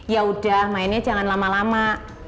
yaudah mainnya jangan lama lama